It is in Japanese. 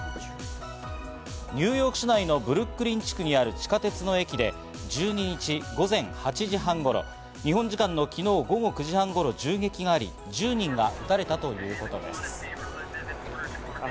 ニューヨーク市内のブルックリン地区にある地下鉄の駅で１２日午前８時半頃、日本時間の昨日午後９時半頃、銃撃があり１０人が撃たれたということです。